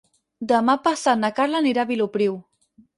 Demà passat na Carla anirà a Vilopriu.